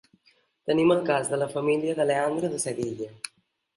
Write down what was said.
Tenim el cas de la família de Leandre de Sevilla.